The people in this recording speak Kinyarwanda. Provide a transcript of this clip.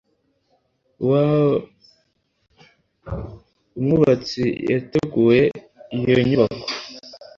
Umwubatsi yateguye iyo nyubako